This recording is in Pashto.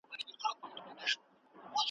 او پیر بابا پخپله `